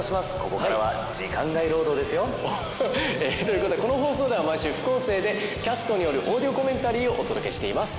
ここからは時間外労働ですよ。ははっ。ということでこの放送では毎週副音声でキャストによるオーディオコメンタリーをお届けしています。